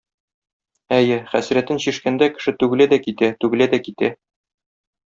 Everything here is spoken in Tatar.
Әйе, хәсрәтен чишкәндә, кеше түгелә дә китә, түгелә дә китә.